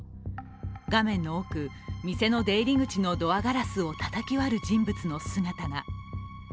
画面の奥、店の出入り口のドアガラスをたたき割る人物の姿が。